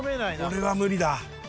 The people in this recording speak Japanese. これは無理だ。